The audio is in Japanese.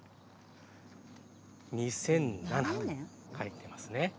２００７年と書いていますね。